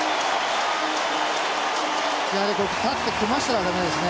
やはり立って組ませたら駄目ですね。